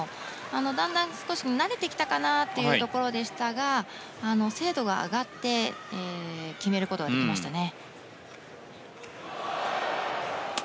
だんだん慣れてきたかなというところでしたが精度が上がって決めることができましたね。